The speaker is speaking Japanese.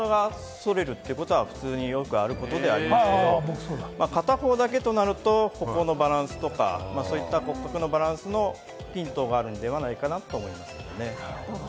靴のかかとの外側が擦れるということは普通によくあることではありますけれども、片方だけとなると、歩行のバランスとか、そういった骨格のバランスのヒントがあるのではないかなと思いますけれどもね。